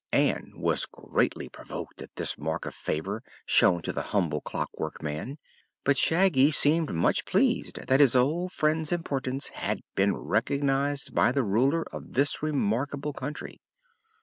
Ann was greatly provoked at this mark of favor shown to the humble Clockwork Man, but Shaggy seemed much pleased that his old friend's importance had been recognized by the ruler of this remarkable country.